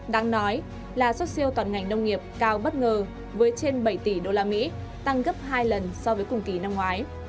đáng nói là xuất siêu toàn ngành nông nghiệp cao bất ngờ với trên bảy tỷ usd tăng gấp hai lần so với cùng kỳ năm ngoái